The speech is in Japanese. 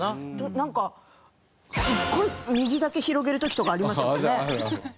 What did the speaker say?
なんかすごい右だけ広げる時とかありましたもんね。